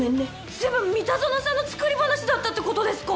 全部三田園さんの作り話だったって事ですか！？